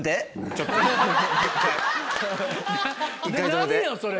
何よそれ。